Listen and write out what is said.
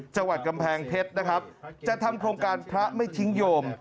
จังหวัดกำแพงเพชรนะครับจะทำโครงการพระไม่ทิ้งโยม